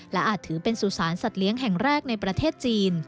และอาจถือเป็นสุสานสัตว์เลี้ยงแห่งแรกในประเทศจีน